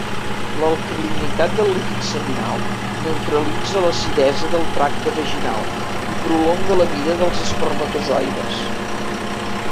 L'alcalinitat del líquid seminal neutralitza l'acidesa del tracte vaginal i prolonga la vida dels espermatozoides.